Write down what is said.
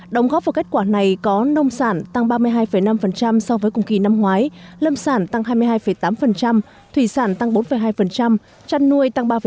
đồng góp vào kết quả này có nông sản tăng ba mươi hai năm so với cùng kỳ năm ngoái lâm sản tăng hai mươi hai tám thủy sản tăng bốn hai chăn nuôi tăng ba bốn